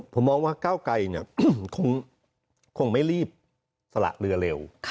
ผมมองว่าก้าวไกรคงไม่รีบสละเรือเร็ว